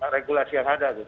regulasi yang ada gitu